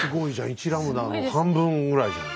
１λの半分ぐらいじゃん。